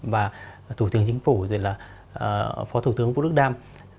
và thủ tướng chính phủ phó thủ tướng vũ đức đam